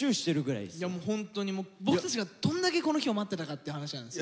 いやもうホントに僕たちがどんだけこの日を待ってたかって話なんですよ。